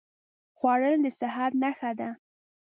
خوړل د صحت نښه ده